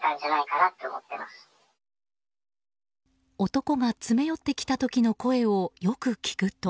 男が詰め寄ってきた時の声をよく聞くと。